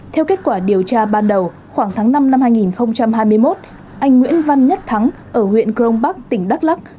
theo kết quả điều tra ban đầu khoảng tháng năm năm hai nghìn hai mươi một anh nguyễn văn nhất thắng ở huyện crong bắc tỉnh đắk lắc